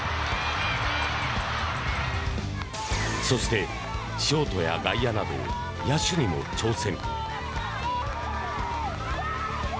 そして、ショートや外野など野手にも挑戦。